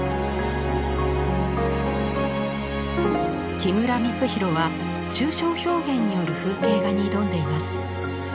木村光宏は抽象表現による風景画に挑んでいます。